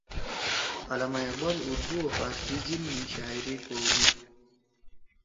علامہ اقبال اُردو او فارسی جیِب می شاعری کؤدُود